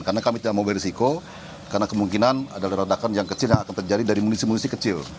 karena kami tidak mau berisiko karena kemungkinan ada redakan yang kecil yang akan terjadi dari munisi munisi kecil